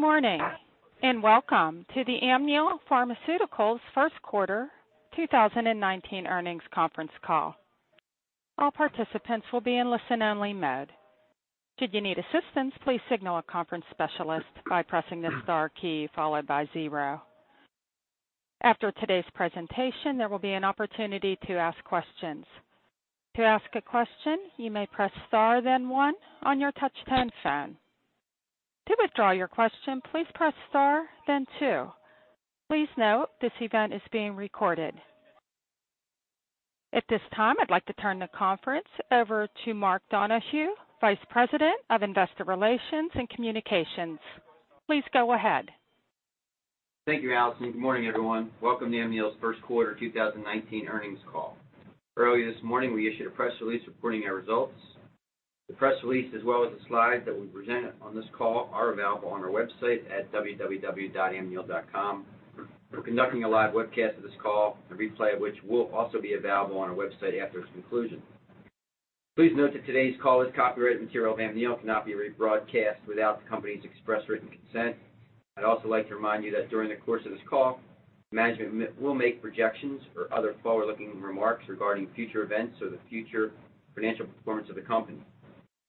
Good morning, and welcome to the Amneal Pharmaceuticals first quarter 2019 earnings conference call. All participants will be in listen-only mode. Should you need assistance, please signal a conference specialist by pressing the star key followed by 0. After today's presentation, there will be an opportunity to ask questions. To ask a question, you may press star then 1 on your touch-tone phone. To withdraw your question, please press star then 2. Please note this event is being recorded. At this time, I'd like to turn the conference over to Mark Donohue, Vice President of Investor Relations and Communications. Please go ahead. Thank you, Allison. Good morning, everyone. Welcome to Amneal's first quarter 2019 earnings call. Early this morning, we issued a press release reporting our results. The press release, as well as the slides that we present on this call, are available on our website at www.amneal.com. We're conducting a live webcast of this call, a replay of which will also be available on our website after its conclusion. Please note that today's call is copyrighted material of Amneal, cannot be rebroadcast without the company's express written consent. I'd also like to remind you that during the course of this call, management will make projections or other forward-looking remarks regarding future events or the future financial performance of the company.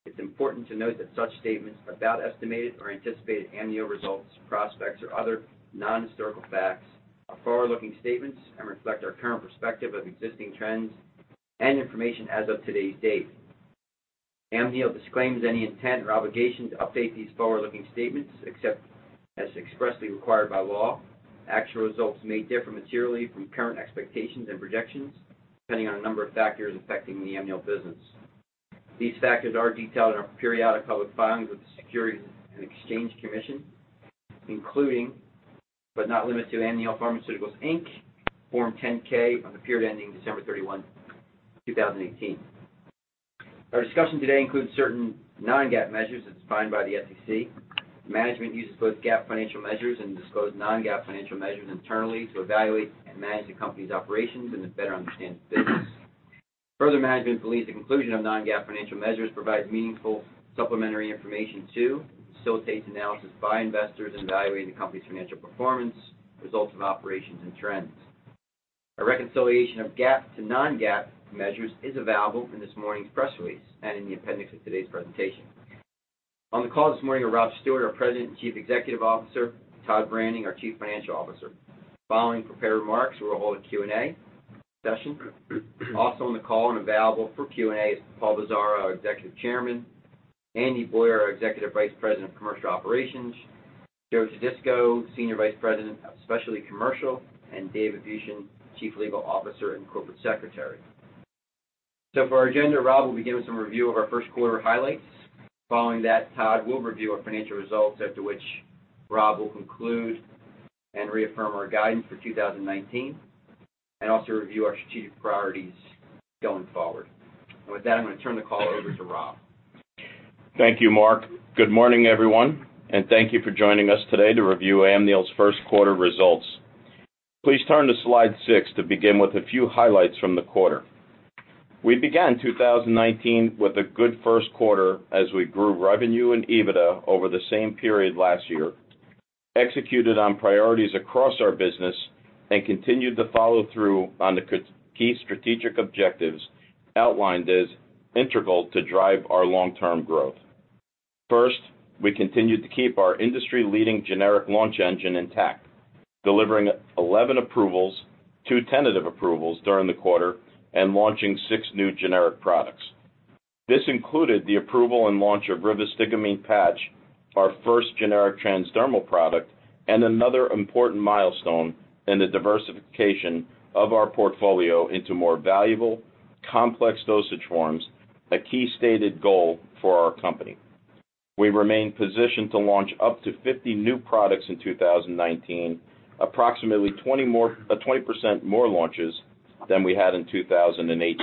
It's important to note that such statements about estimated or anticipated Amneal results, prospects, or other non-historical facts are forward-looking statements and reflect our current perspective of existing trends and information as of today's date. Amneal disclaims any intent or obligation to update these forward-looking statements, except as expressly required by law. Actual results may differ materially from current expectations and projections, depending on a number of factors affecting the Amneal business. These factors are detailed in our periodic public filings with the Securities and Exchange Commission, including but not limited to Amneal Pharmaceuticals, Inc., Form 10-K for the period ending December 31, 2018. Our discussion today includes certain non-GAAP measures as defined by the SEC. Management uses both GAAP financial measures and disclosed non-GAAP financial measures internally to evaluate and manage the company's operations and to better understand the business. Management believes the conclusion of non-GAAP financial measures provides meaningful supplementary information to, facilitates analysis by investors in evaluating the company's financial performance, results of operations, and trends. A reconciliation of GAAP to non-GAAP measures is available in this morning's press release and in the appendix of today's presentation. On the call this morning are Rob Stewart, our President and Chief Executive Officer, Todd Branning, our Chief Financial Officer. Following prepared remarks, we'll hold a Q&A session. Also on the call and available for Q&A is Paul Bisaro, our Executive Chairman, Andy Boyer, our Executive Vice President of Commercial Operations, Joseph Todisco, Senior Vice President of Specialty Commercial, and David Buchen, Chief Legal Officer and Corporate Secretary. For our agenda, Rob will begin with some review of our first quarter highlights. Following that, Todd will review our financial results, after which Rob will conclude and reaffirm our guidance for 2019 and also review our strategic priorities going forward. With that, I'm going to turn the call over to Rob. Thank you, Mark. Good morning, everyone, and thank you for joining us today to review Amneal's first quarter results. Please turn to slide seven to begin with a few highlights from the quarter. We began 2019 with a good first quarter as we grew revenue and EBITDA over the same period last year, executed on priorities across our business, and continued to follow through on the key strategic objectives outlined as integral to drive our long-term growth. First, we continued to keep our industry-leading generic launch engine intact, delivering 11 approvals, two tentative approvals during the quarter, and launching six new generic products. This included the approval and launch of rivastigmine patch, our first generic transdermal product, and another important milestone in the diversification of our portfolio into more valuable, complex dosage forms, a key stated goal for our company. We remain positioned to launch up to 50 new products in 2019, approximately 20% more launches than we had in 2018.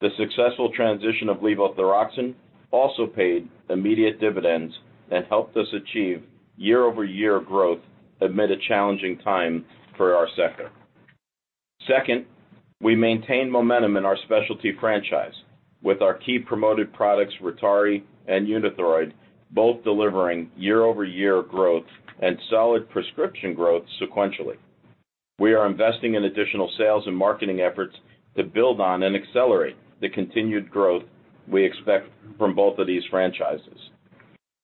The successful transition of levothyroxine also paid immediate dividends and helped us achieve year-over-year growth amid a challenging time for our sector. Second, we maintained momentum in our specialty franchise with our key promoted products, RYTARY and UNITHROID, both delivering year-over-year growth and solid prescription growth sequentially. We are investing in additional sales and marketing efforts to build on and accelerate the continued growth we expect from both of these franchises.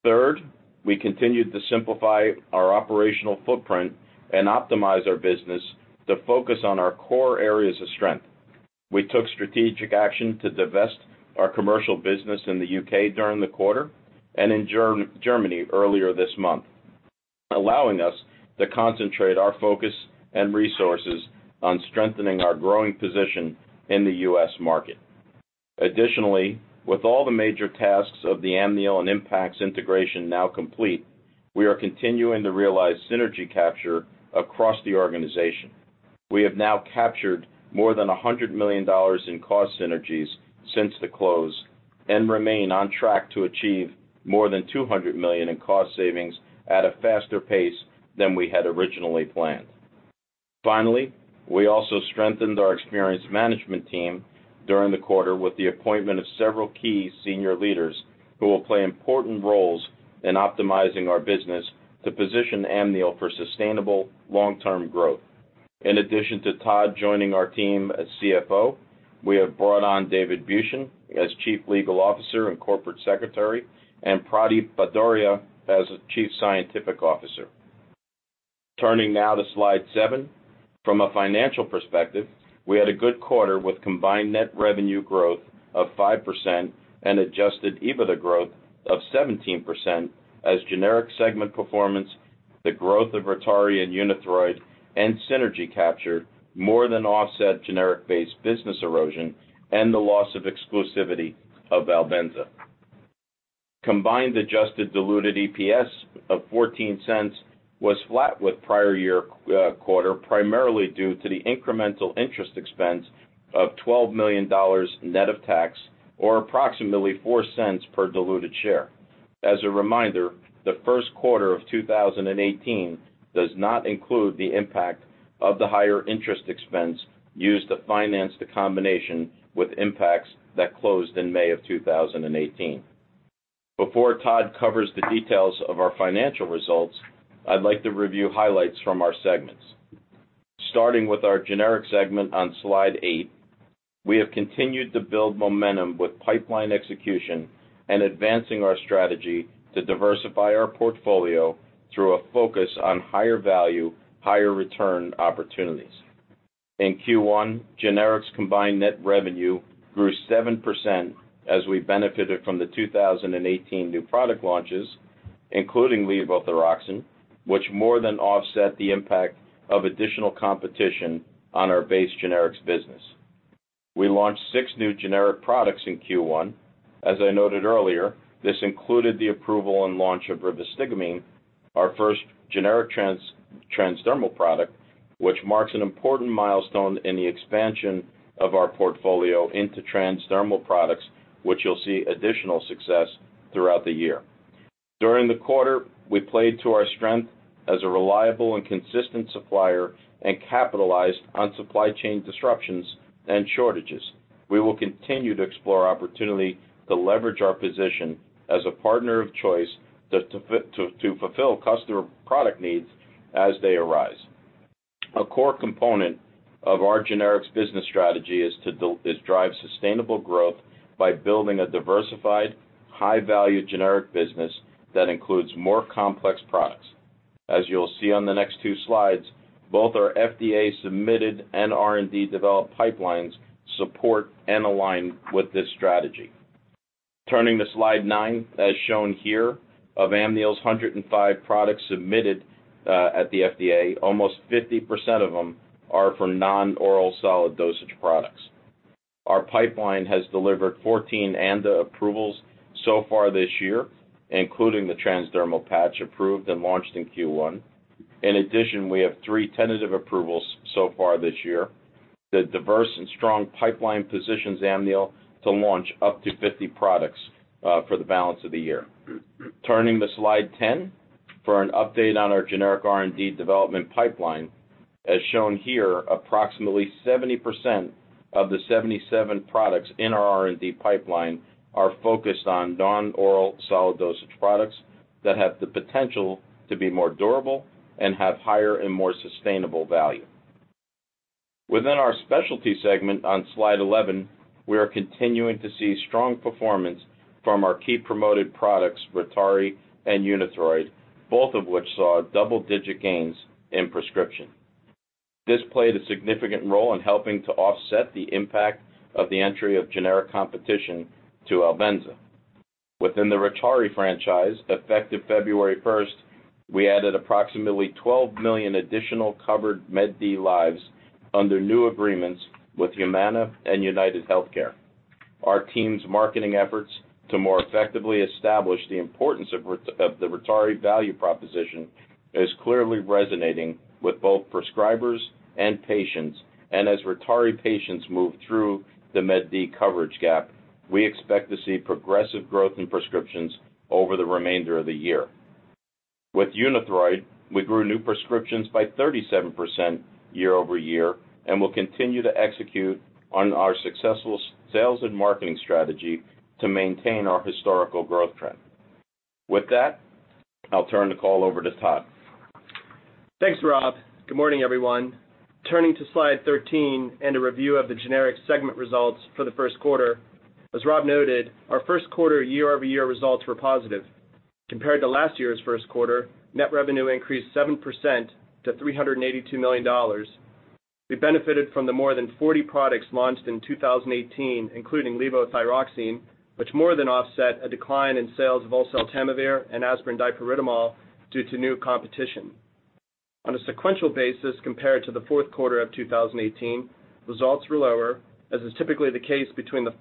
Third, we continued to simplify our operational footprint and optimize our business to focus on our core areas of strength. We took strategic action to divest our commercial business in the U.K. during the quarter and in Germany earlier this month, allowing us to concentrate our focus and resources on strengthening our growing position in the U.S. market. Additionally, with all the major tasks of the Amneal and Impax integration now complete, we are continuing to realize synergy capture across the organization. We have now captured more than $100 million in cost synergies since the close and remain on track to achieve more than $200 million in cost savings at a faster pace than we had originally planned. Finally, we also strengthened our experienced management team during the quarter with the appointment of several key senior leaders who will play important roles in optimizing our business to position Amneal for sustainable long-term growth. In addition to Todd joining our team as CFO, we have brought on David Buchen as Chief Legal Officer and Corporate Secretary, and Pradeep Bhadauria as Chief Scientific Officer. Turning now to slide seven. From a financial perspective, we had a good quarter with combined net revenue growth of 5% and adjusted EBITDA growth of 17% as generic segment performance, the growth of RYTARY and UNITHROID, and synergy capture more than offset generic-based business erosion and the loss of exclusivity of Albenza. Combined adjusted diluted EPS of $0.14 was flat with prior year quarter, primarily due to the incremental interest expense of $12 million net of tax, or approximately $0.04 per diluted share. As a reminder, the first quarter of 2018 does not include the impact of the higher interest expense used to finance the combination with Impax that closed in May of 2018. Before Todd covers the details of our financial results, I'd like to review highlights from our segments. Starting with our generics segment on slide eight, we have continued to build momentum with pipeline execution and advancing our strategy to diversify our portfolio through a focus on higher value, higher return opportunities. In Q1, generics combined net revenue grew 7% as we benefited from the 2018 new product launches, including levothyroxine, which more than offset the impact of additional competition on our base generics business. We launched six new generic products in Q1. As I noted earlier, this included the approval and launch of rivastigmine, our first generic transdermal product, which marks an important milestone in the expansion of our portfolio into transdermal products, which you'll see additional success throughout the year. During the quarter, we played to our strength as a reliable and consistent supplier and capitalized on supply chain disruptions and shortages. We will continue to explore opportunity to leverage our position as a partner of choice to fulfill customer product needs as they arise. A core component of our generics business strategy is to drive sustainable growth by building a diversified, high-value generic business that includes more complex products. As you'll see on the next two slides, both our FDA-submitted and R&D developed pipelines support and align with this strategy. Turning to slide nine, as shown here, of Amneal's 105 products submitted at the FDA, almost 50% of them are for non-oral solid dosage products. Our pipeline has delivered 14 ANDA approvals so far this year, including the transdermal patch approved and launched in Q1. In addition, we have three tentative approvals so far this year. The diverse and strong pipeline positions Amneal to launch up to 50 products for the balance of the year. Turning to slide 10 for an update on our generic R&D development pipeline. As shown here, approximately 70% of the 77 products in our R&D pipeline are focused on non-oral solid dosage products that have the potential to be more durable and have higher and more sustainable value. Within our specialty segment on slide 11, we are continuing to see strong performance from our key promoted products, RYTARY and UNITHROID, both of which saw double-digit gains in prescription. This played a significant role in helping to offset the impact of the entry of generic competition to Albenza. Within the RYTARY franchise, effective February 1st, we added approximately 12 million additional covered Med D lives under new agreements with Humana and UnitedHealthcare. Our team's marketing efforts to more effectively establish the importance of the RYTARY value proposition is clearly resonating with both prescribers and patients. As RYTARY patients move through the Med D coverage gap, we expect to see progressive growth in prescriptions over the remainder of the year. With UNITHROID, we grew new prescriptions by 37% year-over-year and will continue to execute on our successful sales and marketing strategy to maintain our historical growth trend. With that, I'll turn the call over to Todd. Thanks, Rob. Good morning, everyone. Turning to slide 13 and a review of the generics segment results for the first quarter. As Rob noted, our first quarter year-over-year results were positive. Compared to last year's first quarter, net revenue increased 7% to $382 million. We benefited from the more than 40 products launched in 2018, including levothyroxine, which more than offset a decline in sales of oseltamivir and aspirin dipyridamole due to new competition. On a sequential basis, compared to the fourth quarter of 2018, results were lower, as is typically the case between the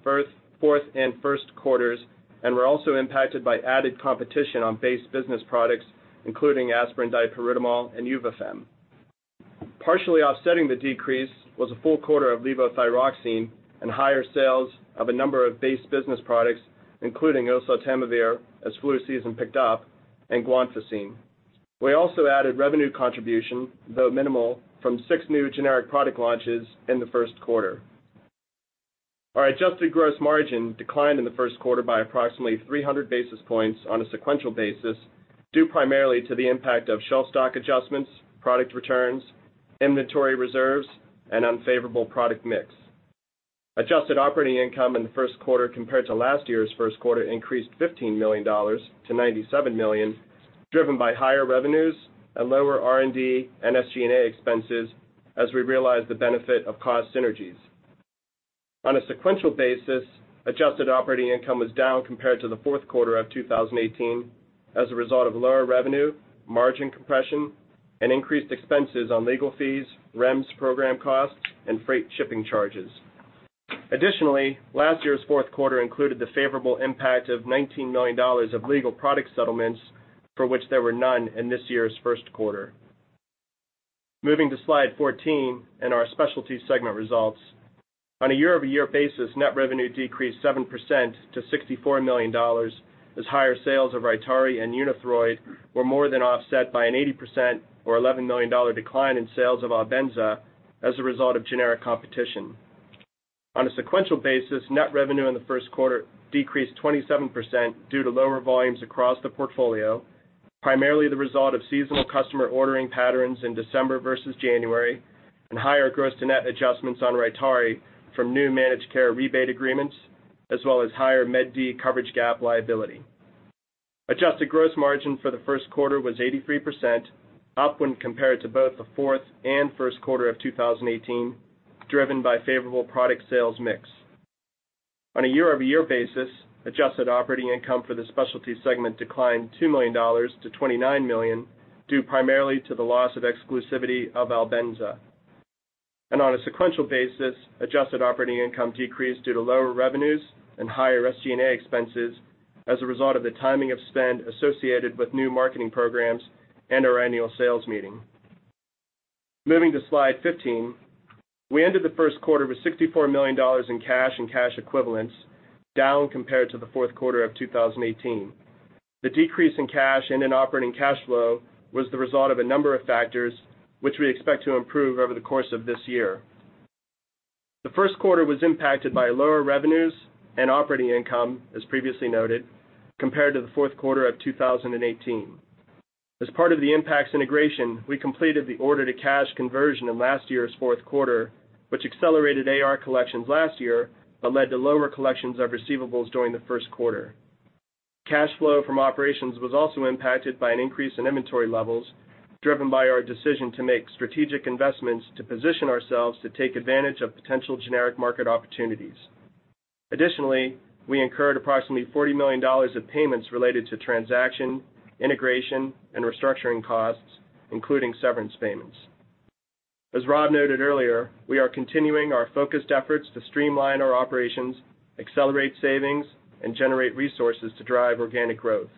fourth and first quarters, and were also impacted by added competition on base business products, including aspirin dipyridamole and Yuvafem. Partially offsetting the decrease was a full quarter of levothyroxine and higher sales of a number of base business products, including oseltamivir, as flu season picked up, and guanfacine. We also added revenue contribution, though minimal, from six new generic product launches in the first quarter. Our adjusted gross margin declined in the first quarter by approximately 300 basis points on a sequential basis, due primarily to the impact of shelf stock adjustments, product returns, inventory reserves, and unfavorable product mix. Adjusted operating income in the first quarter compared to last year's first quarter increased $15 million to $97 million, driven by higher revenues and lower R&D and SG&A expenses, as we realize the benefit of cost synergies. On a sequential basis, adjusted operating income was down compared to the fourth quarter of 2018 as a result of lower revenue, margin compression, and increased expenses on legal fees, REMS program costs, and freight shipping charges. Last year's fourth quarter included the favorable impact of $19 million of legal product settlements, for which there were none in this year's first quarter. Moving to slide 14 and our specialty segment results. On a year-over-year basis, net revenue decreased 7% to $64 million, as higher sales of RYTARY and UNITHROID were more than offset by an 80% or $11 million decline in sales of Albenza as a result of generic competition. On a sequential basis, net revenue in the first quarter decreased 27% due to lower volumes across the portfolio, primarily the result of seasonal customer ordering patterns in December versus January, and higher gross to net adjustments on RYTARY from new managed care rebate agreements, as well as higher Med D coverage gap liability. Adjusted gross margin for the first quarter was 83%, up when compared to both the fourth and first quarter of 2018, driven by favorable product sales mix. On a year-over-year basis, adjusted operating income for the specialty segment declined $2 million to $29 million, due primarily to the loss of exclusivity of Albenza. On a sequential basis, adjusted operating income decreased due to lower revenues and higher SG&A expenses as a result of the timing of spend associated with new marketing programs and our annual sales meeting. Moving to slide 15, we ended the first quarter with $64 million in cash and cash equivalents, down compared to the fourth quarter of 2018. The decrease in cash in and operating cash flow was the result of a number of factors which we expect to improve over the course of this year. The first quarter was impacted by lower revenues and operating income, as previously noted, compared to the fourth quarter of 2018. As part of the Impax integration, we completed the order-to-cash conversion in last year's fourth quarter, which accelerated AR collections last year but led to lower collections of receivables during the first quarter. Cash flow from operations was also impacted by an increase in inventory levels, driven by our decision to make strategic investments to position ourselves to take advantage of potential generic market opportunities. Additionally, we incurred approximately $40 million of payments related to transaction, integration, and restructuring costs, including severance payments. As Rob noted earlier, we are continuing our focused efforts to streamline our operations, accelerate savings, and generate resources to drive organic growth.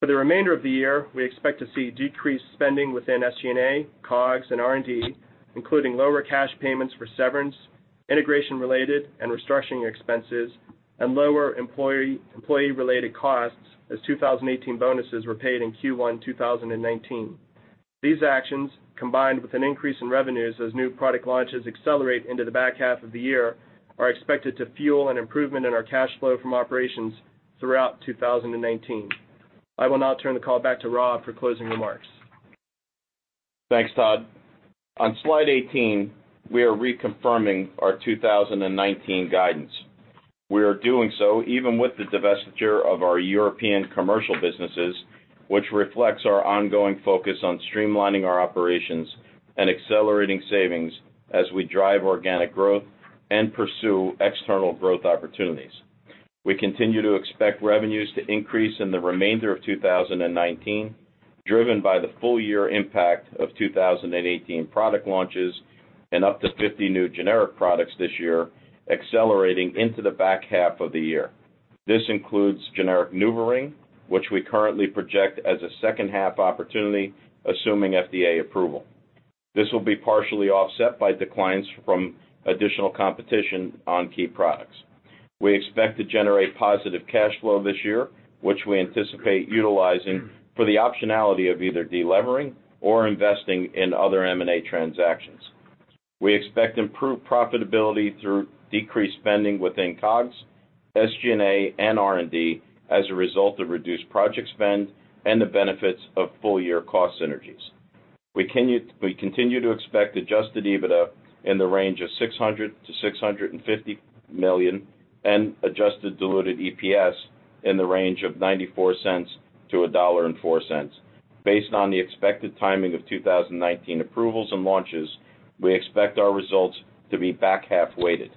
For the remainder of the year, we expect to see decreased spending within SG&A, COGS, and R&D, including lower cash payments for severance, integration-related and restructuring expenses, and lower employee-related costs as 2018 bonuses were paid in Q1 2019. These actions, combined with an increase in revenues as new product launches accelerate into the back half of the year, are expected to fuel an improvement in our cash flow from operations throughout 2019. I will now turn the call back to Rob for closing remarks. Thanks, Todd. On slide 18, we are reconfirming our 2019 guidance. We are doing so even with the divestiture of our European commercial businesses, which reflects our ongoing focus on streamlining our operations and accelerating savings as we drive organic growth and pursue external growth opportunities. We continue to expect revenues to increase in the remainder of 2019, driven by the full-year impact of 2018 product launches and up to 50 new generic products this year, accelerating into the back half of the year. This includes generic NuvaRing, which we currently project as a second half opportunity, assuming FDA approval. This will be partially offset by declines from additional competition on key products. We expect to generate positive cash flow this year, which we anticipate utilizing for the optionality of either de-levering or investing in other M&A transactions. We expect improved profitability through decreased spending within COGS, SG&A, and R&D as a result of reduced project spend and the benefits of full-year cost synergies. We continue to expect adjusted EBITDA in the range of $600 million-$650 million and adjusted diluted EPS in the range of $0.94-$1.04. Based on the expected timing of 2019 approvals and launches, we expect our results to be back half weighted.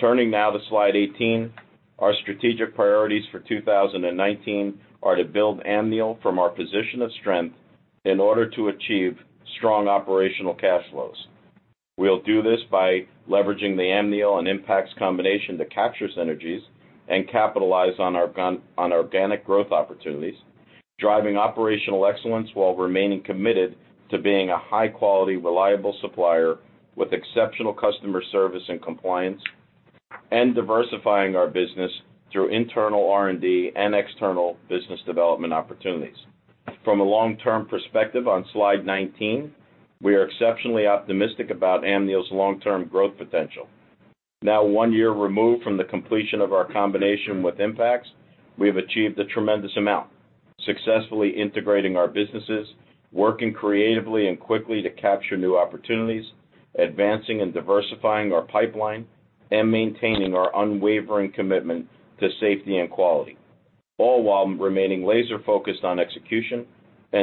Turning now to slide 18, our strategic priorities for 2019 are to build Amneal from our position of strength in order to achieve strong operational cash flows. We'll do this by leveraging the Amneal and Impax combination to capture synergies and capitalize on organic growth opportunities, driving operational excellence while remaining committed to being a high-quality, reliable supplier with exceptional customer service and compliance. Diversifying our business through internal R&D and external business development opportunities. From a long-term perspective, on slide 19, we are exceptionally optimistic about Amneal's long-term growth potential. Now one year removed from the completion of our combination with Impax, we have achieved a tremendous amount. Successfully integrating our businesses, working creatively and quickly to capture new opportunities, advancing and diversifying our pipeline, and maintaining our unwavering commitment to safety and quality, all while remaining laser-focused on execution and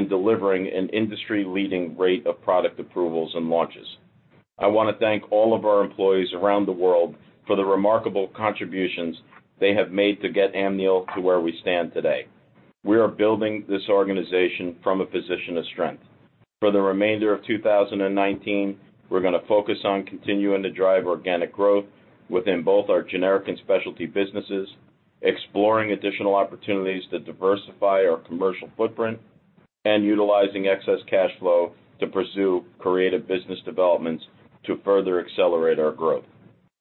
delivering an industry-leading rate of product approvals and launches. I want to thank all of our employees around the world for the remarkable contributions they have made to get Amneal to where we stand today. We are building this organization from a position of strength. For the remainder of 2019, we're going to focus on continuing to drive organic growth within both our generic and specialty businesses, exploring additional opportunities to diversify our commercial footprint, and utilizing excess cash flow to pursue creative business developments to further accelerate our growth.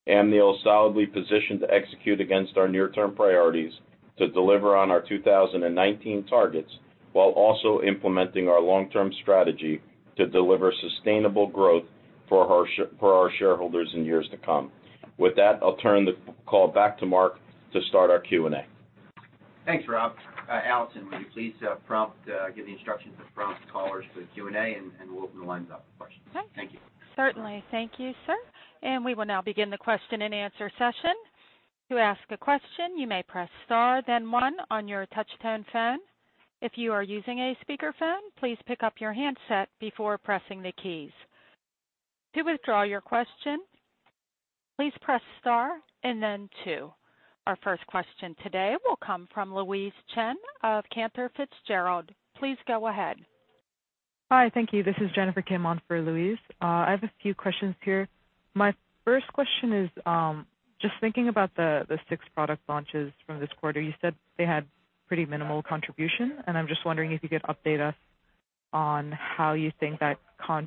Amneal is solidly positioned to execute against our near-term priorities to deliver on our 2019 targets, while also implementing our long-term strategy to deliver sustainable growth for our shareholders in years to come. With that, I'll turn the call back to Mark to start our Q&A. Thanks, Rob. Allison, would you please give the instructions to prompt the callers for the Q&A. We'll open the lines up for questions. Okay. Thank you. Certainly. Thank you, sir. We will now begin the question-and-answer session. To ask a question, you may press star then one on your touch tone phone. If you are using a speaker phone, please pick up your handset before pressing the keys. To withdraw your question, please press star and then two. Our first question today will come from Louise Chen of Cantor Fitzgerald. Please go ahead. Hi, thank you. This is Jennifer Kim on for Louise. I have a few questions here. My first question is, just thinking about the six product launches from this quarter, you said they had pretty minimal contribution. I'm just wondering if you could update us on how you think that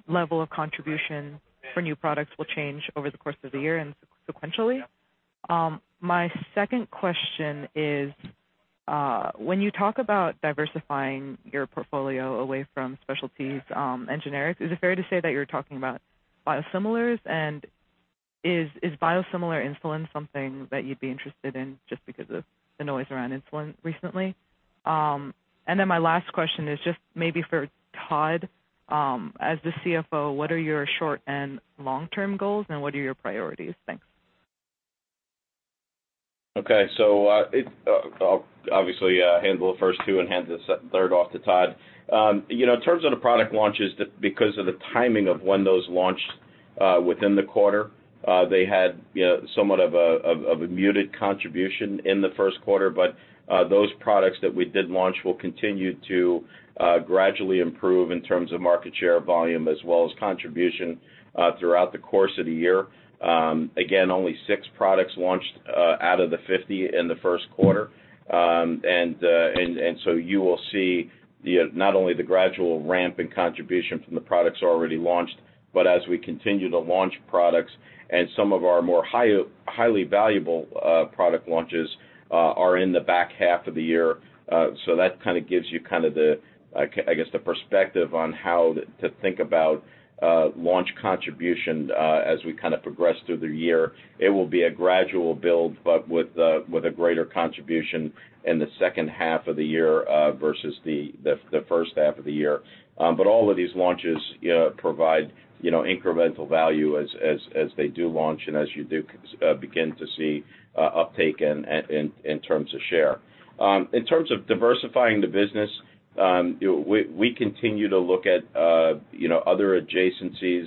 level of contribution for new products will change over the course of the year and sequentially. My second question is, when you talk about diversifying your portfolio away from specialties and generics, is it fair to say that you're talking about biosimilars? Is biosimilar insulin something that you'd be interested in just because of the noise around insulin recently? My last question is just maybe for Todd. As the CFO, what are your short- and long-term goals, and what are your priorities? Thanks. Okay. I'll obviously handle the first two and hand the third off to Todd. In terms of the product launches, because of the timing of when those launched within the quarter, they had somewhat of a muted contribution in the first quarter. Those products that we did launch will continue to gradually improve in terms of market share volume as well as contribution throughout the course of the year. Again, only six products launched out of the 50 in the first quarter. You will see not only the gradual ramp in contribution from the products already launched, but as we continue to launch products and some of our more highly valuable product launches are in the back half of the year. That gives you the perspective on how to think about launch contribution as we progress through the year. It will be a gradual build, but with a greater contribution in the second half of the year versus the first half of the year. All of these launches provide incremental value as they do launch and as you do begin to see uptake in terms of share. In terms of diversifying the business, we continue to look at other adjacencies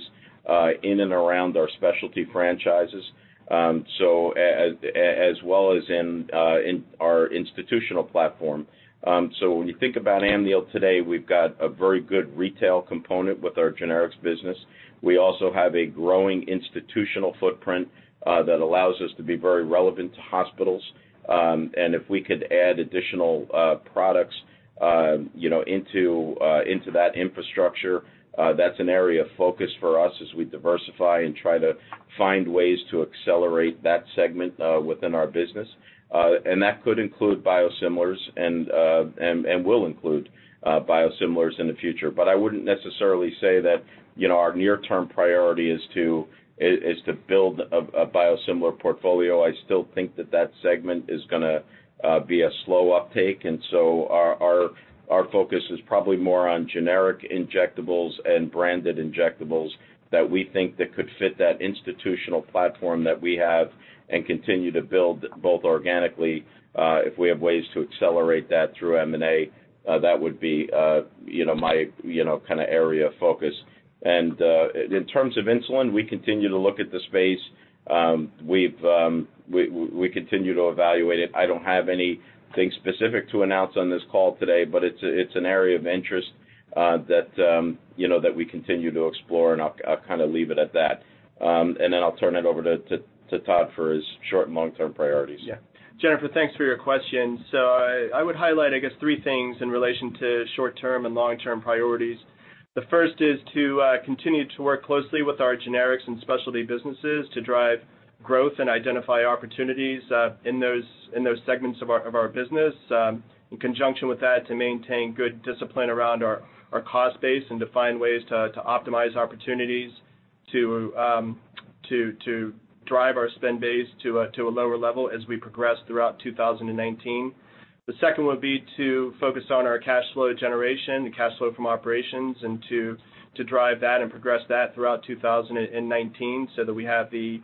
in and around our specialty franchises, as well as in our institutional platform. When you think about Amneal today, we've got a very good retail component with our generics business. We also have a growing institutional footprint that allows us to be very relevant to hospitals. If we could add additional products into that infrastructure, that's an area of focus for us as we diversify and try to find ways to accelerate that segment within our business. That could include biosimilars and will include biosimilars in the future. I wouldn't necessarily say that our near-term priority is to build a biosimilar portfolio. I still think that segment is going to be a slow uptake, our focus is probably more on generic injectables and branded injectables that we think that could fit that institutional platform that we have and continue to build both organically. If we have ways to accelerate that through M&A, that would be my area of focus. In terms of insulin, we continue to look at the space. We continue to evaluate it. I don't have anything specific to announce on this call today, but it's an area of interest that we continue to explore, and I'll leave it at that. I'll turn it over to Todd for his short- and long-term priorities. Jennifer, thanks for your question. I would highlight, I guess, three things in relation to short-term and long-term priorities. The first is to continue to work closely with our generics and specialty businesses to drive growth and identify opportunities in those segments of our business. In conjunction with that, to maintain good discipline around our cost base and to find ways to optimize opportunities to drive our spend base to a lower level as we progress throughout 2019. The second would be to focus on our cash flow generation, the cash flow from operations, and to drive that and progress that throughout 2019 so that we have the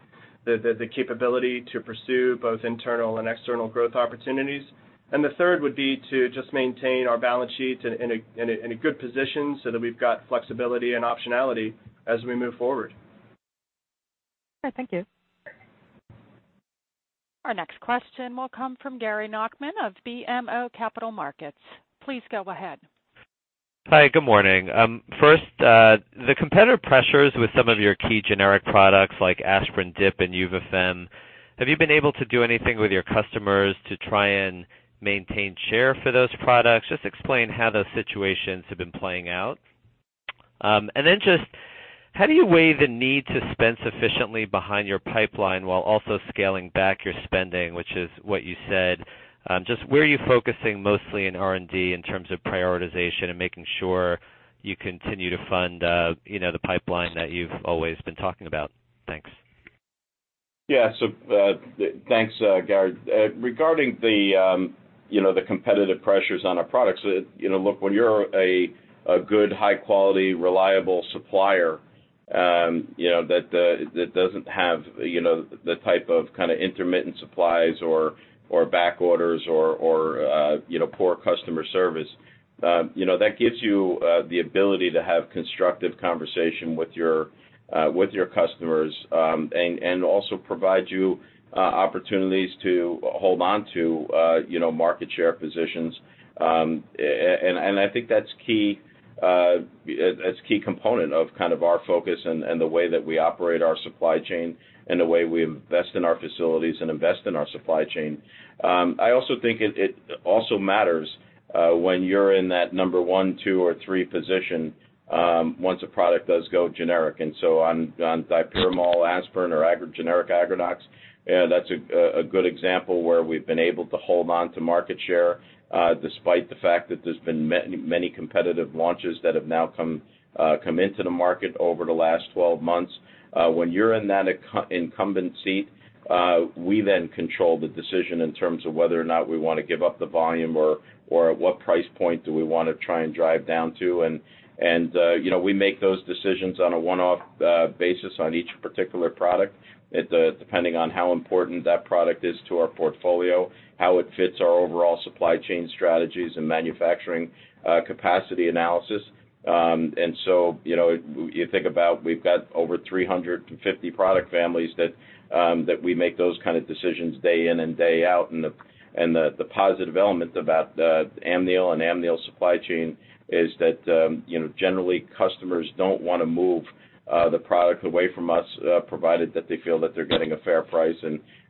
capability to pursue both internal and external growth opportunities. The third would be to just maintain our balance sheet in a good position so that we've got flexibility and optionality as we move forward. Okay, thank you. Our next question will come from Gary Nachman of BMO Capital Markets. Please go ahead. Hi, good morning. First, the competitive pressures with some of your key generic products like aspirin dipyridamole and Yuvafem, have you been able to do anything with your customers to try and maintain share for those products? Just explain how those situations have been playing out. How do you weigh the need to spend sufficiently behind your pipeline while also scaling back your spending, which is what you said. Just where are you focusing mostly in R&D in terms of prioritization and making sure you continue to fund the pipeline that you've always been talking about? Thanks. Yeah. Thanks, Gary. Regarding the competitive pressures on our products, look, when you're a good, high-quality, reliable supplier that doesn't have the type of intermittent supplies or back orders or poor customer service, that gives you the ability to have constructive conversation with your customers, also provide you opportunities to hold on to market share positions. I think that's key component of our focus and the way that we operate our supply chain and the way we invest in our facilities and invest in our supply chain. I also think it also matters when you're in that number 1, 2, or 3 position, once a product does go generic. On dipyridamole, aspirin, or generic Aggrenox, that's a good example where we've been able to hold on to market share, despite the fact that there's been many competitive launches that have now come into the market over the last 12 months. When you're in that incumbent seat, we then control the decision in terms of whether or not we want to give up the volume or what price point do we want to try and drive down to. We make those decisions on a one-off basis on each particular product, depending on how important that product is to our portfolio, how it fits our overall supply chain strategies and manufacturing capacity analysis. You think about, we've got over 350 product families that we make those kind of decisions day in and day out. The positive element about Amneal and Amneal's supply chain is that, generally, customers don't want to move the product away from us, provided that they feel that they're getting a fair price.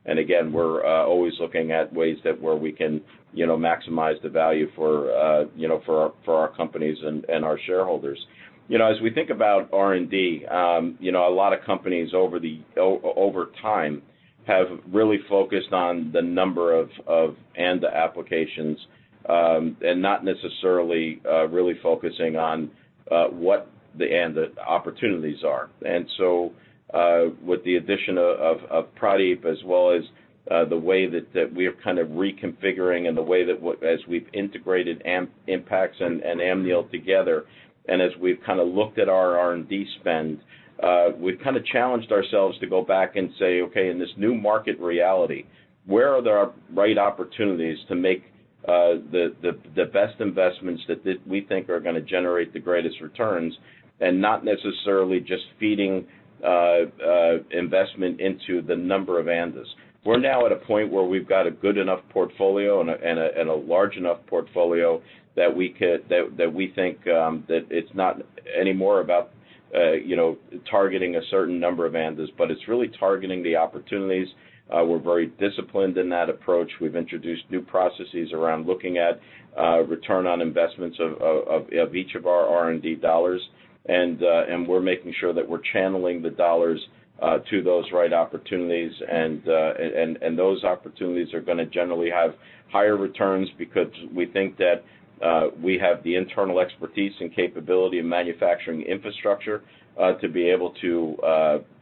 Again, we're always looking at ways where we can maximize the value for our companies and our shareholders. As we think about R&D, a lot of companies over time have really focused on the number of ANDA applications, not necessarily really focusing on what the ANDA opportunities are. With the addition of Pradeep, as well as the way that we're reconfiguring and the way that as we've integrated Impax and Amneal together, as we've looked at our R&D spend, we've challenged ourselves to go back and say, "Okay, in this new market reality, where are the right opportunities to make the best investments that we think are going to generate the greatest returns, not necessarily just feeding investment into the number of ANDAs?" We're now at a point where we've got a good enough portfolio and a large enough portfolio that we think that it's not anymore about targeting a certain number of ANDAs, but it's really targeting the opportunities. We're very disciplined in that approach. We've introduced new processes around looking at return on investments of each of our R&D dollars. We're making sure that we're channeling the dollars to those right opportunities. Those opportunities are going to generally have higher returns because we think that we have the internal expertise and capability and manufacturing infrastructure to be able to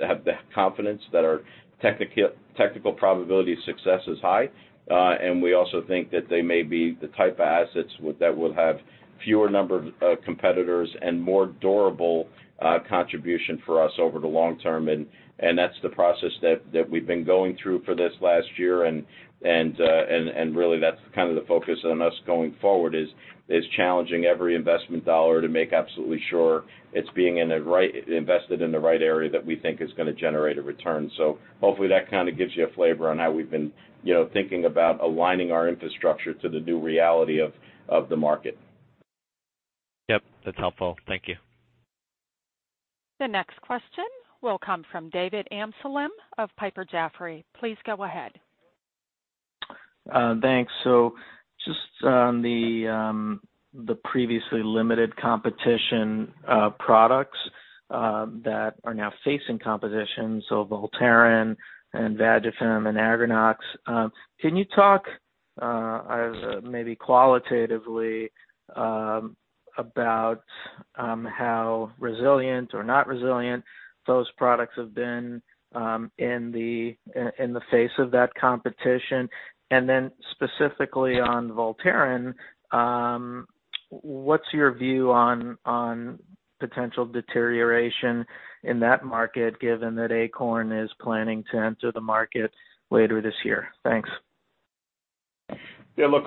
have the confidence that our technical probability of success is high. We also think that they may be the type of assets that will have fewer number of competitors and more durable contribution for us over the long term. That's the process that we've been going through for this last year. Really, that's the focus on us going forward, is challenging every investment dollar to make absolutely sure it's being invested in the right area that we think is going to generate a return. Hopefully, that gives you a flavor on how we've been thinking about aligning our infrastructure to the new reality of the market. Yep, that's helpful. Thank you. The next question will come from David Amsellem of Piper Jaffray. Please go ahead. Thanks. Just on the previously limited competition products that are now facing competition, Voltaren and Vagifem and Aggrenox, can you talk maybe qualitatively about how resilient or not resilient those products have been in the face of that competition? Then specifically on Voltaren, what's your view on potential deterioration in that market, given that Akorn is planning to enter the market later this year? Thanks. Yeah, look,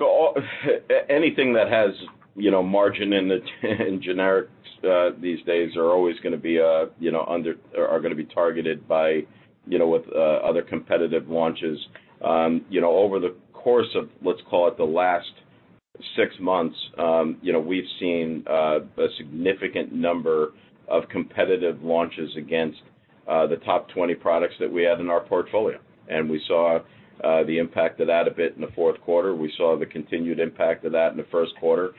anything that has margin in generics these days are always going to be targeted with other competitive launches. Over the course of, let's call it the last six months, we've seen a significant number of competitive launches against the top 20 products that we have in our portfolio. We saw the impact of that a bit in the fourth quarter. We saw the continued impact of that in the first quarter,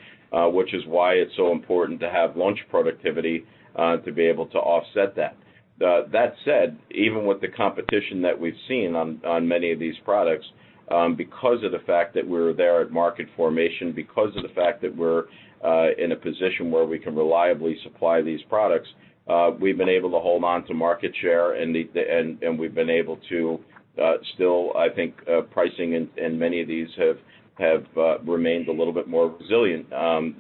which is why it's so important to have launch productivity to be able to offset that. That said, even with the competition that we've seen on many of these products, because of the fact that we're there at market formation, because of the fact that we're in a position where we can reliably supply these products, we've been able to hold on to market share and we've been able to still, I think, pricing in many of these have remained a little bit more resilient,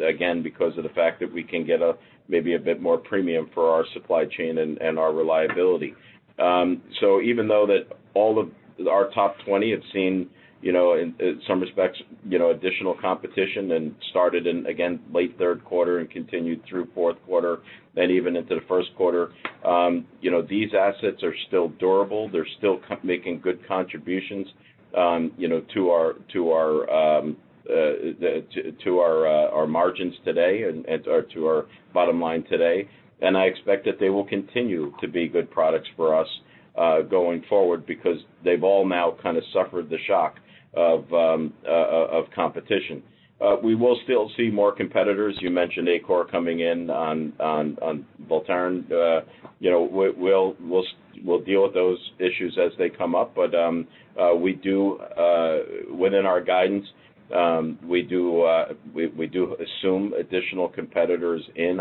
again, because of the fact that we can get maybe a bit more premium for our supply chain and our reliability. Even though that all of our top 20 have seen, in some respects, additional competition and started in, again, late third quarter and continued through fourth quarter, even into the first quarter, these assets are still durable. They're still making good contributions to our margins today and to our bottom line today. I expect that they will continue to be good products for us going forward because they've all now kind of suffered the shock of competition. We will still see more competitors. You mentioned Akorn coming in on Voltaren. We'll deal with those issues as they come up. Within our guidance, we do assume additional competitors in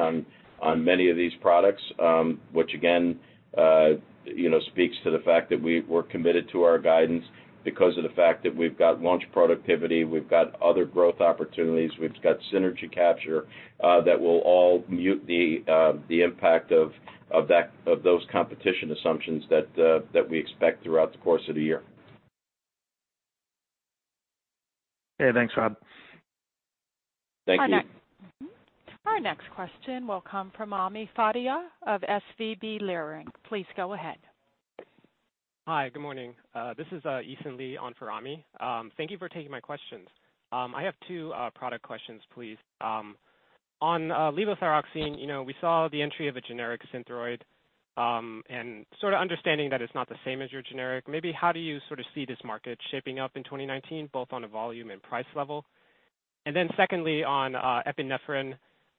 on many of these products, which again speaks to the fact that we're committed to our guidance because of the fact that we've got launch productivity, we've got other growth opportunities, we've got synergy capture that will all mute the impact of those competition assumptions that we expect throughout the course of the year. Okay, thanks, Rob. Thank you. Our next question will come from Ami Fadia of SVB Leerink. Please go ahead. Hi, good morning. This is Ethan Lee on for Ami. Thank you for taking my questions. I have two product questions, please. On levothyroxine, we saw the entry of a generic Synthroid, sort of understanding that it's not the same as your generic, maybe how do you sort of see this market shaping up in 2019, both on a volume and price level? Secondly, on epinephrine,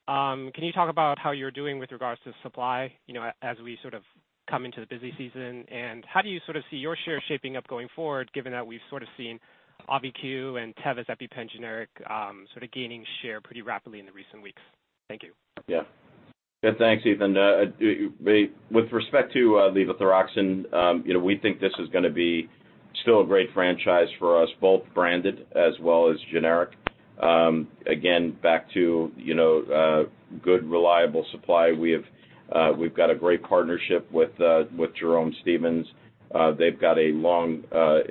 can you talk about how you're doing with regards to supply as we sort of come into the busy season? How do you sort of see your share shaping up going forward, given that we've sort of seen Auvi-Q and Teva's EpiPen generic sort of gaining share pretty rapidly in the recent weeks? Thank you. Thanks, Ethan. With respect to levothyroxine, we think this is going to be still a great franchise for us, both branded as well as generic. Again, back to good, reliable supply. We've got a great partnership with Jerome Stevens. They've got a long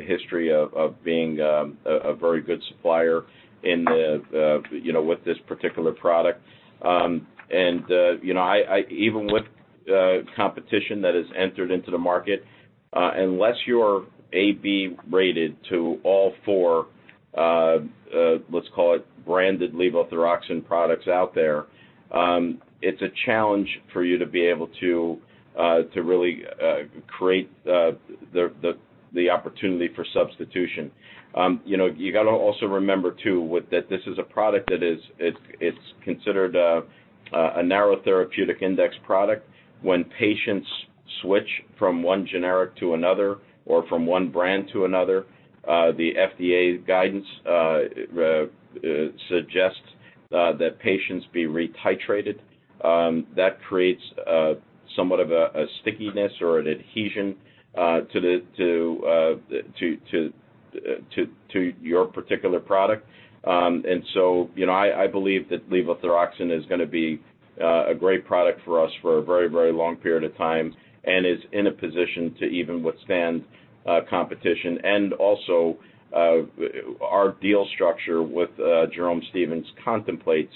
history of being a very good supplier with this particular product. Even with competition that has entered into the market, unless you're AB rated to all four, let's call it branded levothyroxine products out there, it's a challenge for you to be able to really create the opportunity for substitution. You got to also remember, too, that this is a product that is considered a narrow therapeutic index product. When patients switch from one generic to another or from one brand to another, the FDA guidance suggests that patients be re-titrated. That creates somewhat of a stickiness or an adhesion to your particular product. I believe that levothyroxine is going to be a great product for us for a very, very long period of time and is in a position to even withstand competition. Also our deal structure with Jerome Stevens contemplates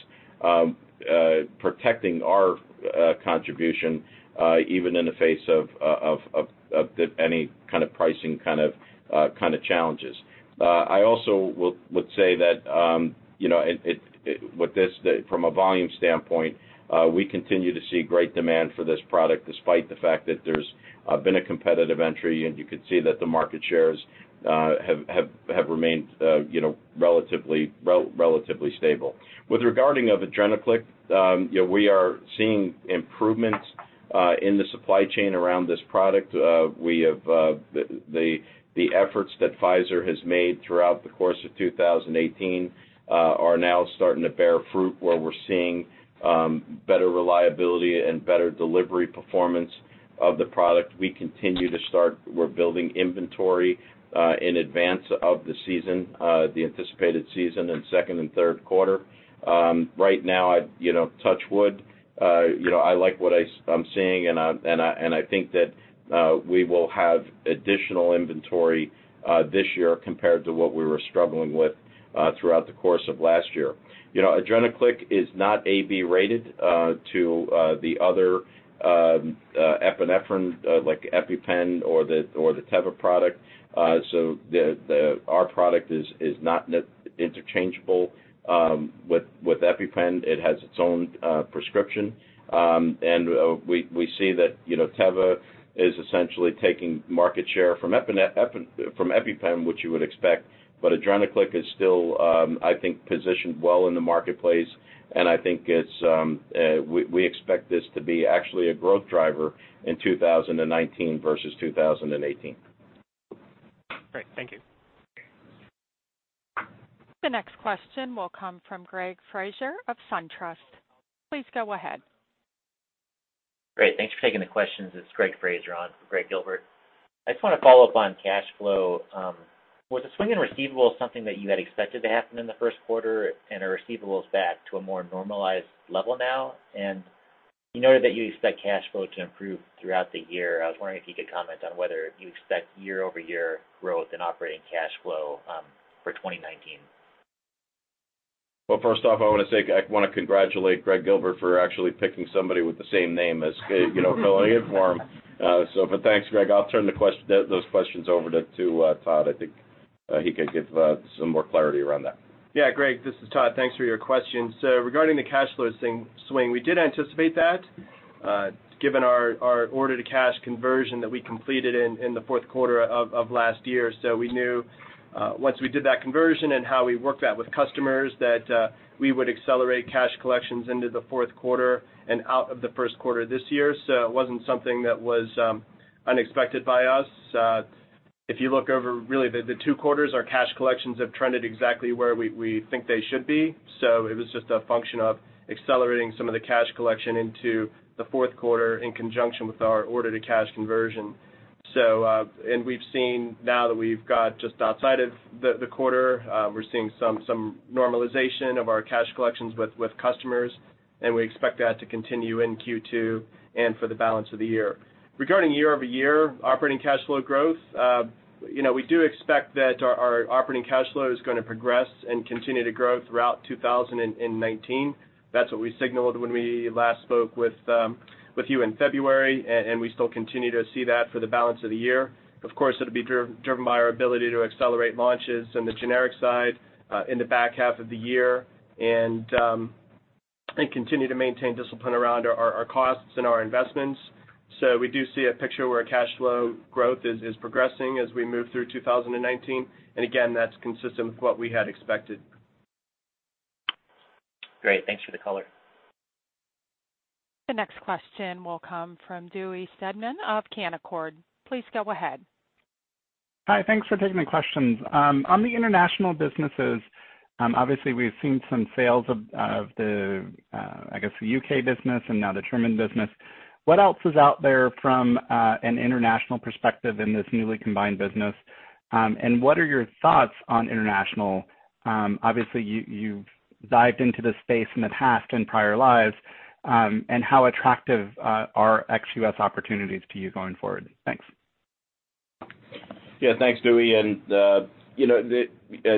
protecting our contribution even in the face of any kind of pricing challenges. I also would say that from a volume standpoint, we continue to see great demand for this product, despite the fact that there's been a competitive entry, you could see that the market shares have remained relatively stable. With regarding of Adrenaclick, we are seeing improvements in the supply chain around this product. The efforts that Pfizer has made throughout the course of 2018 are now starting to bear fruit, where we're seeing better reliability and better delivery performance of the product. We continue to start. We're building inventory in advance of the anticipated season in second and third quarter. Right now, touch wood, I like what I'm seeing, and I think that we will have additional inventory this year compared to what we were struggling with throughout the course of last year. Adrenaclick is not AB rated to the other epinephrine, like EpiPen or the Teva product. Our product is not interchangeable with EpiPen. It has its own prescription. We see that Teva is essentially taking market share from EpiPen, which you would expect. Adrenaclick is still, I think, positioned well in the marketplace, and I think we expect this to be actually a growth driver in 2019 versus 2018. Great. Thank you. The next question will come from Greg Fraser of SunTrust. Please go ahead. Great. Thanks for taking the questions. It's Greg Fraser on for Greg Gilbert. I just want to follow up on cash flow. Was the swing in receivables something that you had expected to happen in the first quarter, and are receivables back to a more normalized level now? You noted that you expect cash flow to improve throughout the year. I was wondering if you could comment on whether you expect year-over-year growth in operating cash flow for 2019. Well, first off, I want to congratulate Greg Gilbert for actually picking somebody with the same name as him. Thanks, Greg. I'll turn those questions over to Todd. I think he could give some more clarity around that. Yeah, Greg, this is Todd. Thanks for your question. Regarding the cash flow swing, we did anticipate that, given our order-to-cash conversion that we completed in the fourth quarter of last year. We knew once we did that conversion and how we worked that with customers, that we would accelerate cash collections into the fourth quarter and out of the first quarter this year. It wasn't something that was unexpected by us. If you look over really the two quarters, our cash collections have trended exactly where we think they should be. It was just a function of accelerating some of the cash collection into the fourth quarter in conjunction with our order-to-cash conversion. Now that we've got just outside of the quarter, we're seeing some normalization of our cash collections with customers, and we expect that to continue in Q2 and for the balance of the year. Regarding year-over-year operating cash flow growth, we do expect that our operating cash flow is going to progress and continue to grow throughout 2019. That's what we signaled when we last spoke with you in February, and we still continue to see that for the balance of the year. Of course, it'll be driven by our ability to accelerate launches in the generic side in the back half of the year and continue to maintain discipline around our costs and our investments. We do see a picture where cash flow growth is progressing as we move through 2019. Again, that's consistent with what we had expected. Great. Thanks for the color. The next question will come from Dewey Steadman of Canaccord. Please go ahead. Hi. Thanks for taking the questions. On the international businesses, obviously we've seen some sales of the, I guess, the U.K. business and now the German business. What else is out there from an international perspective in this newly combined business, what are your thoughts on international? Obviously, you've dived into this space in the past in prior lives. How attractive are ex-U.S. opportunities to you going forward? Thanks. Yeah. Thanks, Dewey. As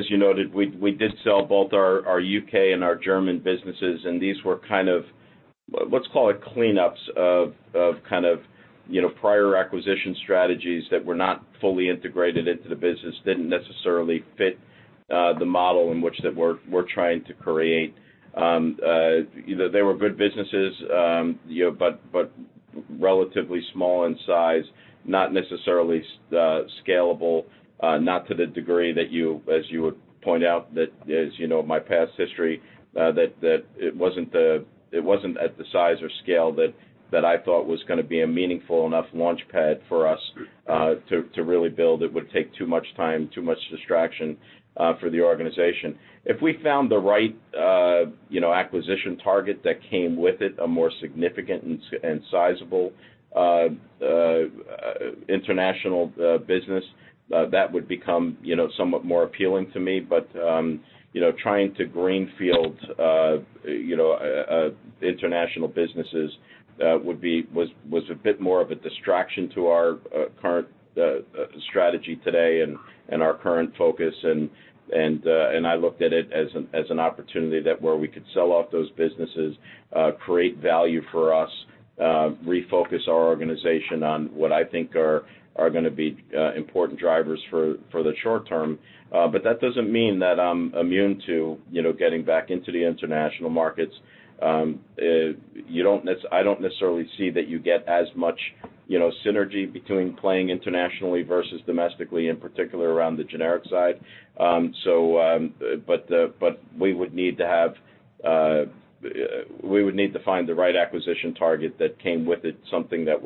you noted, we did sell both our U.K. and our German businesses. These were kind of, let's call it cleanups of prior acquisition strategies that were not fully integrated into the business, didn't necessarily fit the model in which that we're trying to create. They were good businesses, relatively small in size, not necessarily scalable, not to the degree that you, as you would point out, that as you know my past history, that it wasn't at the size or scale that I thought was going to be a meaningful enough launchpad for us to really build. It would take too much time, too much distraction for the organization. If we found the right acquisition target that came with it a more significant and sizable international business, that would become somewhat more appealing to me. Trying to greenfield international businesses was a bit more of a distraction to our current strategy today and our current focus. I looked at it as an opportunity that where we could sell off those businesses, create value for us, refocus our organization on what I think are going to be important drivers for the short term. That doesn't mean that I'm immune to getting back into the international markets. I don't necessarily see that you get as much synergy between playing internationally versus domestically, in particular around the generic side. We would need to find the right acquisition target that came with it, something that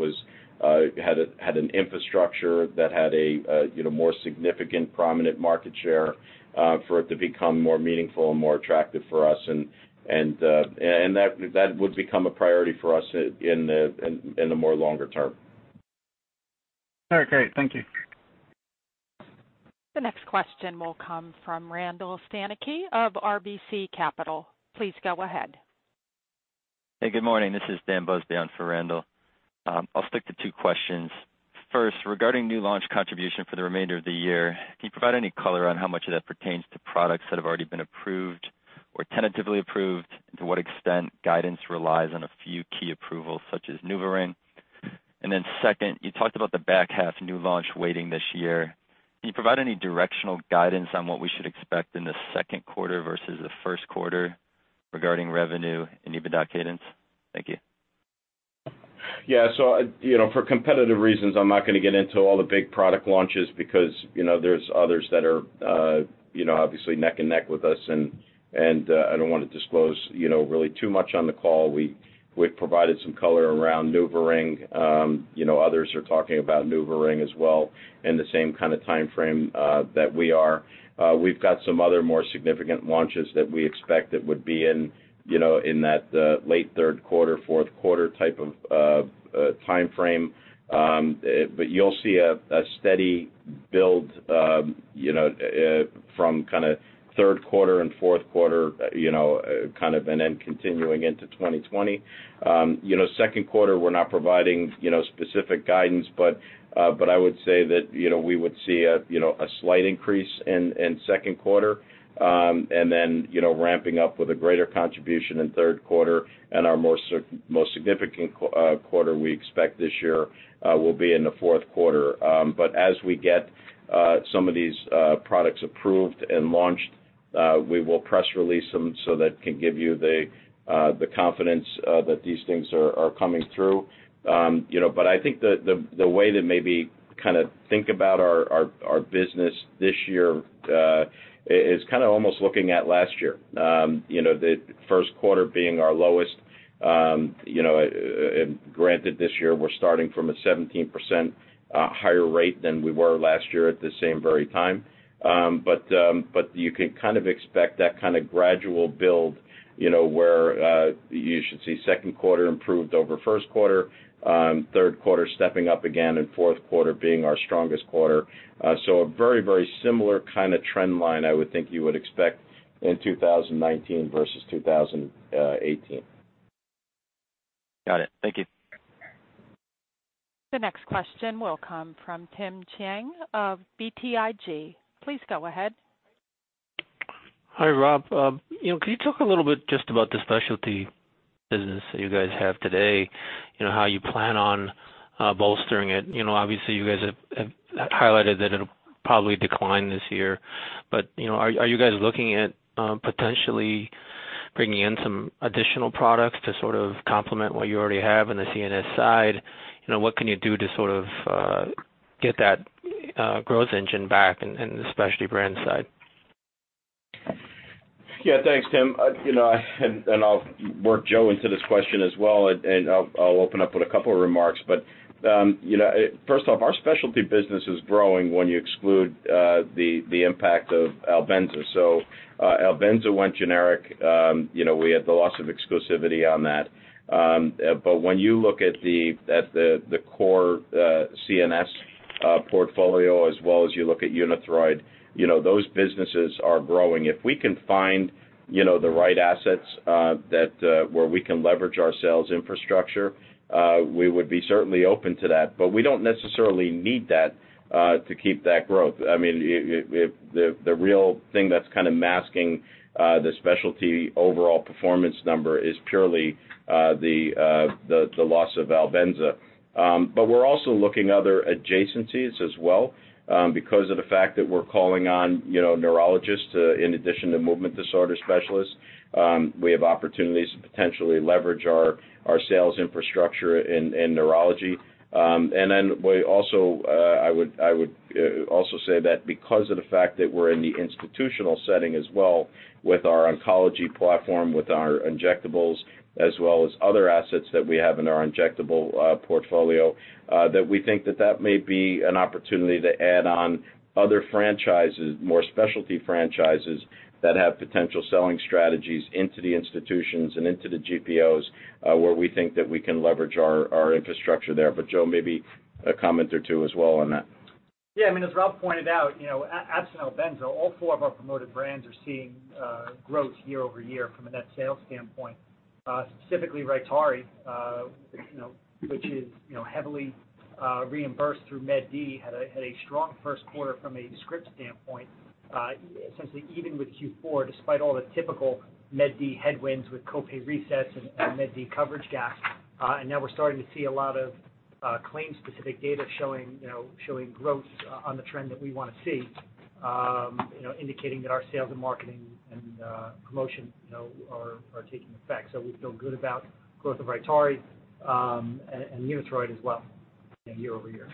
had an infrastructure, that had a more significant prominent market share for it to become more meaningful and more attractive for us. That would become a priority for us in the more longer term. All right, great. Thank you. The next question will come from Randall Stanicky of RBC Capital. Please go ahead. Hey, good morning. This is Daniel Busby on for Randall. I'll stick to two questions. First, regarding new launch contribution for the remainder of the year, can you provide any color on how much of that pertains to products that have already been approved or tentatively approved? To what extent guidance relies on a few key approvals, such as NuvaRing? Then second, you talked about the back-half new launch weighting this year. Can you provide any directional guidance on what we should expect in the second quarter versus the first quarter regarding revenue and EBITDA cadence? Thank you. Yeah. For competitive reasons, I'm not going to get into all the big product launches because there's others that are obviously neck and neck with us, and I don't want to disclose really too much on the call. We've provided some color around NuvaRing. Others are talking about NuvaRing as well in the same kind of timeframe that we are. We've got some other more significant launches that we expect that would be in that late third quarter, fourth quarter type of timeframe. You'll see a steady build from third quarter and fourth quarter, and then continuing into 2020. Second quarter, we're not providing specific guidance, but I would say that we would see a slight increase in second quarter. Then ramping up with a greater contribution in third quarter, and our most significant quarter we expect this year will be in the fourth quarter. As we get some of these products approved and launched, we will press release them so that can give you the confidence that these things are coming through. I think the way to maybe think about our business this year is kind of almost looking at last year. The first quarter being our lowest. Granted, this year, we're starting from a 17% higher rate than we were last year at the same very time. You can expect that kind of gradual build, where you should see second quarter improved over first quarter, third quarter stepping up again, and fourth quarter being our strongest quarter. A very similar kind of trend line I would think you would expect in 2019 versus 2018. Got it. Thank you. The next question will come from Tim Chiang of BTIG. Please go ahead. Hi, Rob. Can you talk a little bit just about the specialty business that you guys have today, how you plan on bolstering it? Obviously, you guys have highlighted that it will probably decline this year. Are you guys looking at potentially bringing in some additional products to sort of complement what you already have in the CNS side? What can you do to sort of get that growth engine back in the specialty brand side? Yeah. Thanks, Tim. I'll work Joe into this question as well. I'll open up with a couple of remarks. First off, our specialty business is growing when you exclude the impact of Albenza. Albenza went generic. We had the loss of exclusivity on that. When you look at the core CNS portfolio as well as you look at UNITHROID, those businesses are growing. If we can find the right assets where we can leverage our sales infrastructure, we would be certainly open to that. We don't necessarily need that to keep that growth. The real thing that's kind of masking the specialty overall performance number is purely the loss of Albenza. We're also looking other adjacencies as well because of the fact that we're calling on neurologists in addition to movement disorder specialists. We have opportunities to potentially leverage our sales infrastructure in neurology. I would also say that because of the fact that we're in the institutional setting as well with our oncology platform, with our injectables, as well as other assets that we have in our injectable portfolio, we think that that may be an opportunity to add on other franchises, more specialty franchises that have potential selling strategies into the institutions and into the GPOs, where we think that we can leverage our infrastructure there. Joe, maybe a comment or two as well on that. Yeah. As Rob pointed out, absent Albenza, all four of our promoted brands are seeing growth year over year from a net sales standpoint. Specifically, RYTARY, which is heavily reimbursed through Med D, had a strong first quarter from a script standpoint. Essentially even with Q4, despite all the typical Med D headwinds with co-pay resets and Med D coverage gaps. Now we're starting to see a lot of claim-specific data showing growth on the trend that we want to see, indicating that our sales and marketing and promotion are taking effect. We feel good about growth of RYTARY and UNITHROID as well year over year.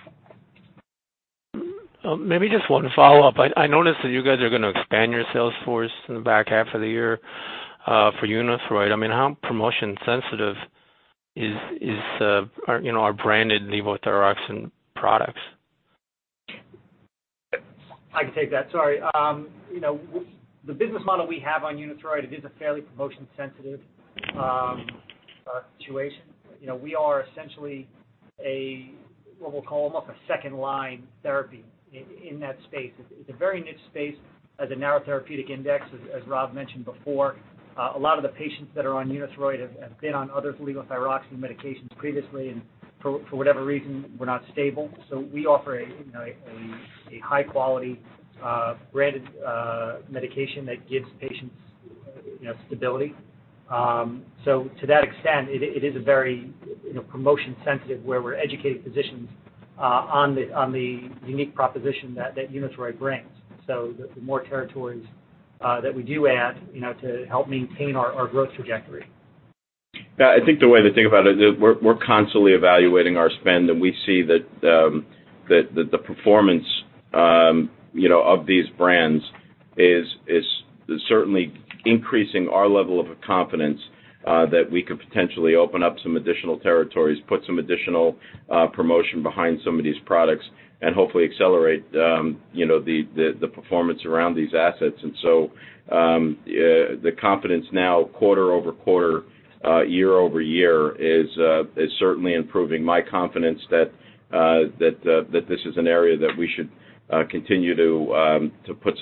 Maybe just one follow-up. I noticed that you guys are going to expand your sales force in the back half of the year for UNITHROID. How promotion sensitive is our branded levothyroxine products? I can take that, sorry. The business model we have on UNITHROID, it is a fairly promotion sensitive situation. We are essentially a, what we'll call almost a second-line therapy in that space. It is a very niche space. Has a narrow therapeutic index, as Rob mentioned before. A lot of the patients that are on UNITHROID have been on other levothyroxine medications previously and for whatever reason, were not stable. We offer a high-quality branded medication that gives patients stability. To that extent, it is very promotion sensitive, where we're educating physicians on the unique proposition that UNITHROID brings. The more territories that we do add to help maintain our growth trajectory. Yeah, I think the way to think about it is we're constantly evaluating our spend, and we see that the performance of these brands is certainly increasing our level of confidence that we could potentially open up some additional territories, put some additional promotion behind some of these products, and hopefully accelerate the performance around these assets. The confidence now quarter-over-quarter, year-over-year, is certainly improving my confidence that this is an area that we should continue to put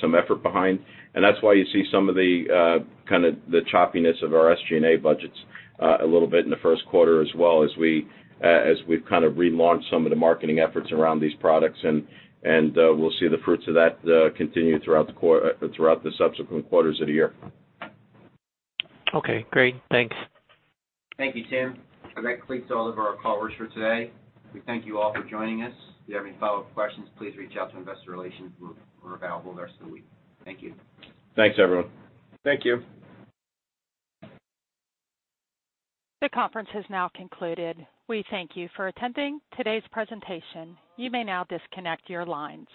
some effort behind. That's why you see some of the choppiness of our SG&A budgets a little bit in the first quarter, as well as we've relaunched some of the marketing efforts around these products, and we'll see the fruits of that continue throughout the subsequent quarters of the year. Okay, great. Thanks. Thank you, Tim. That completes all of our callers for today. We thank you all for joining us. If you have any follow-up questions, please reach out to investor relations. We're available the rest of the week. Thank you. Thanks, everyone. Thank you. The conference has now concluded. We thank you for attending today's presentation. You may now disconnect your lines.